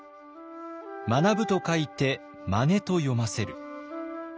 「学ぶ」と書いて「まね」と読ませる。